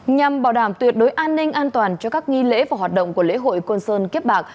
nhằm bảo đảm tuyệt đối an ninh an toàn cho các nghi lễ và hoạt động của lễ hội côn sơn kiếp bạc